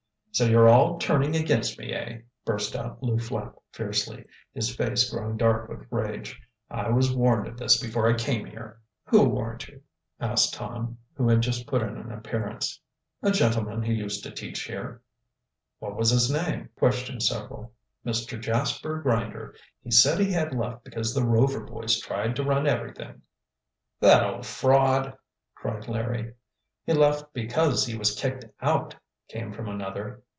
"So you're all turning against me, eh?" burst out Lew Flapp fiercely, his face growing dark with rage. "I was warned of this before I came here." "Who warned you?" asked Tom, who had just put in an appearance. "A gentleman who used to teach here." "What was his name?" questioned several. "Mr. Jasper Grinder. He said he had left because the Rover boys tried to run everything." "That old fraud!" cried Larry. "He left because he was kicked out," came from another.